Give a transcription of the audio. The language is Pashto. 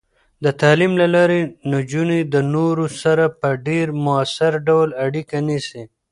د تعلیم له لارې، نجونې د نورو سره په ډیر مؤثر ډول اړیکه نیسي.